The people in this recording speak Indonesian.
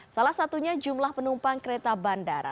salah satunya jumlah penumpang kereta bandara